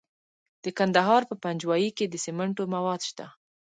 د کندهار په پنجوايي کې د سمنټو مواد شته.